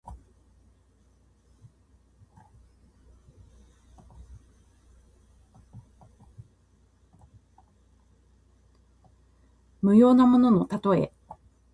無用なもののたとえ。